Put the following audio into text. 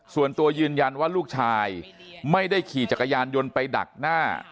ส่วนตัวยืนยันว่าลูกชายไม่ได้ขี่จักรยานยนต์ไปดักหน้า